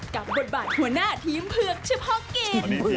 บทบาทหัวหน้าทีมเผือกเฉพาะกิจ